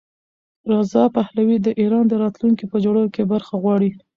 رضا پهلوي د ایران د راتلونکي په جوړولو کې برخه غواړي.